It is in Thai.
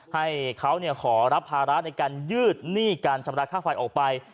ให้เขาขอรับภาระในการยืดหนี้การชำระค่าไฟออกไป